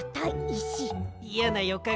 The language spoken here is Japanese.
いやなよ